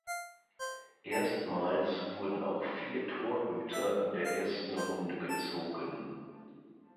Erstmals wurden auch vier Torhüter in der ersten Runde gezogen.